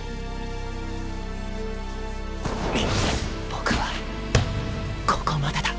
僕はここまでだ。